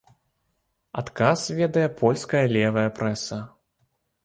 Адказ ведае польская левая прэса.